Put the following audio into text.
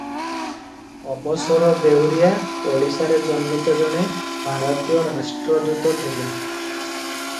ଅବସର ବେଉରିଆ ଓଡ଼ିଶାରେ ଜନ୍ମିତ ଜଣେ ଭାରତୀୟ ରାଷ୍ଟ୍ରଦୂତ ଥିଲେ ।